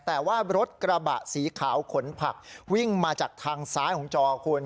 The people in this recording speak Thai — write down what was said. แต่ว่ารถกระบะสีขาวขนผักวิ่งมาจากทางซ้ายของจอคุณ